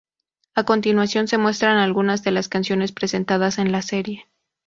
A continuación se muestran algunas de las canciones presentadas en la serie.